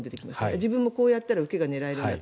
自分もこうやったらウケが狙えるんだって。